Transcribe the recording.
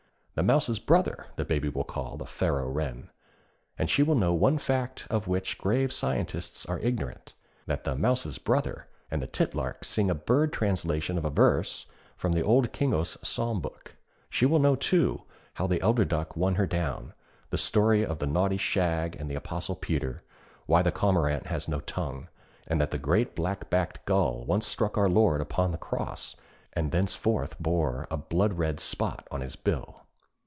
The 'mouse's brother' the Baby will call the Faroe wren, and she will know one fact of which grave scientists are ignorant, that the 'mouse's brother' and the titlark sing a bird translation of a verse from the old Kingos Psalm book. She will know, too, how the eider duck won her down, the story of the naughty shag and the Apostle Peter, why the cormorant has no tongue, and that the great black backed gull once struck our Lord upon the Cross and thenceforth bore a blood red spot on his bill.